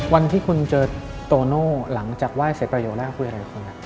วันที่คุณเจอโตโน่หลังจากไหว้เสร็จประโยคแรกคุยอะไรกับคุณ